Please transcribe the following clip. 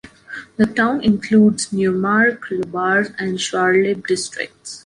The town includes Neuermark-Lübars and Scharlibbe districts.